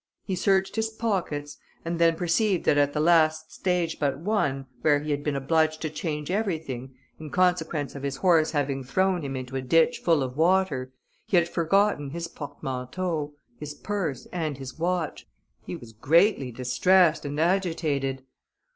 He searched all his pockets, and then perceived that at the last stage but one, where he had been obliged to change everything, in consequence of his horse having thrown him into a ditch full of water, he had forgotten his portmanteau, his purse, and his watch. He was greatly distressed and agitated.